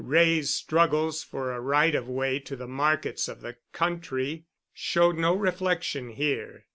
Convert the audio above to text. Wray's struggles for a right of way to the markets of the country showed no reflection here.